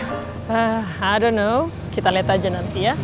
i don't know kita lihat aja nanti ya